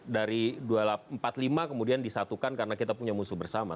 dari empat puluh lima kemudian disatukan karena kita punya musuh bersama